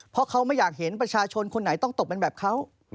เพราะเขาไม่อยากเห็นประชาชนคนไหนต้องตกเป็นแบบเขา